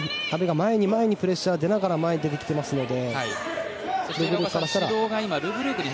前に前にプレッシャーを当てながら前へ出てきていますので。